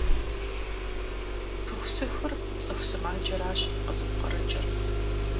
Пыхусыхур цӀыху сымаджэращ къызыпкъырыкӀыр.